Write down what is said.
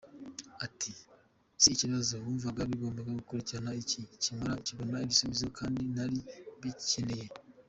Ati “Si ikibazo, wumvaga hagombaga gukurikiraho iki nkimara kubona ibisubizo kandi nari mbikeneye.